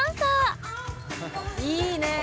いいねえ。